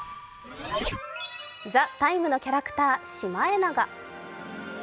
「ＴＨＥＴＩＭＥ，」のキャラクター、シマエナガ。